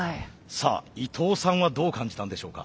さあ伊藤さんはどう感じたんでしょうか？